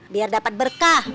biar dapat berkah